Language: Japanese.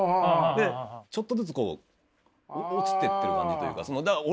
ちょっとずつ落ちてってる感じというか。